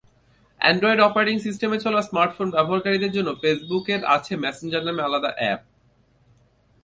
Android operating সিস্টেমে চলা smartphone ব্যবহারকারীদের জন্য ফেসবুকের আছে মেসেঞ্জার নামে আলাদা অ্যাপ।